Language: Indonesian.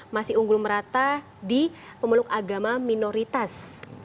masih unggul merata di pemeluk agama minoritas